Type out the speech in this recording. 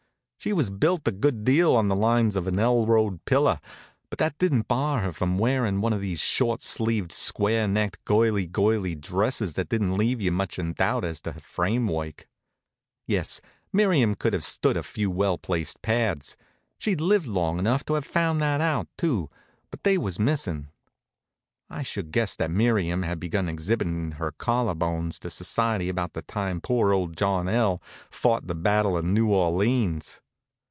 She was built a good deal on the lines of an L road pillar, but that didn't bar her from wearin' one of these short sleeved square necked, girly girly dresses that didn't leave you much in doubt as to her framework. Yes, Miriam could have stood a few well placed pads. She'd lived long enough to have found that out, too, but they was missin'. I should guess that Miriam had begun exhibitin' her collar bones to society about the time poor old John L. fought the battle of New Orleans.